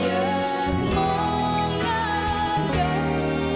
อยากมองงานกัน